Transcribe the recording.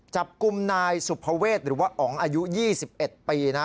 จับกลุ่มนายสุภเวษหรือว่าอ๋องอายุ๒๑ปีนะ